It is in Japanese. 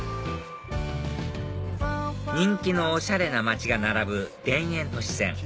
人気のおしゃれな街が並ぶ田園都市線